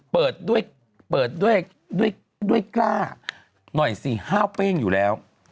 เปิดด้วยกล้าหน่อยสิห้าวเป้งอยู่แล้ว